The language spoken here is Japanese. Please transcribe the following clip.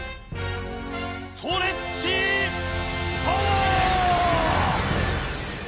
ストレッチパワー！